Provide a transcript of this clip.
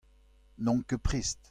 N'on ket prest.